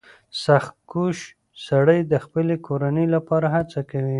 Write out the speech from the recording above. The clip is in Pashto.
• سختکوش سړی د خپلې کورنۍ لپاره هڅه کوي.